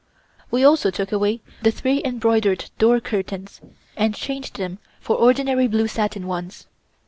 We also took away the three embroidered door curtains, and changed them for ordinary blue satin ones.